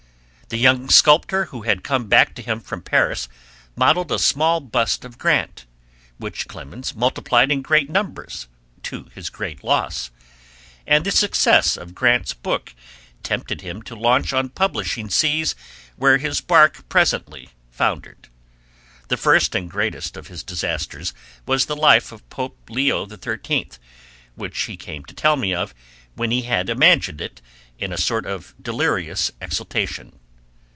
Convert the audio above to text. The young sculptor who had come back to him from Paris modelled a small bust of Grant, which Clemens multiplied in great numbers to his great loss, and the success of Grant's book tempted him to launch on publishing seas where his bark presently foundered. The first and greatest of his disasters was the Life of Pope Leo XIII, which he came to tell me of, when he had imagined it, in a sort of delirious exultation.